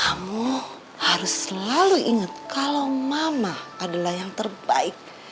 kamu harus selalu ingat kalau mama adalah yang terbaik